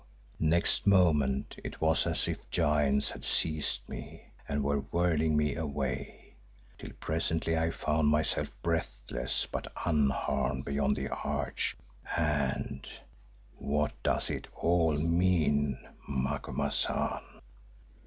next moment it was as if giants had seized me and were whirling me away, till presently I found myself breathless but unharmed beyond the arch and—what does it all mean, Macumazahn?"